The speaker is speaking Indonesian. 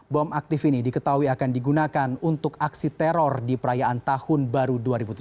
bom aktif ini diketahui akan digunakan untuk aksi teror di perayaan tahun baru dua ribu tujuh belas